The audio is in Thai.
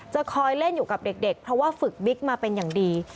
จะคอยเล่นอยู่กับเด็กเพราะว่าฝึกบิ๊กมาเป็นอย่างดี